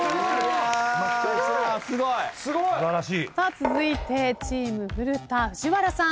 続いてチーム古田藤原さん。